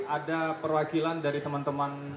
ada perwakilan dari teman teman